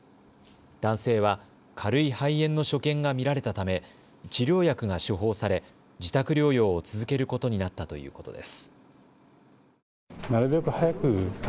男性は軽い肺炎の所見が見られたため治療薬が処方され自宅療養を続けることになったということです。